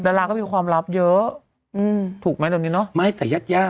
ดาราก็มีความลับเยอะอืมถูกไหมตอนนี้เนอะไม่แต่ญาติญาติ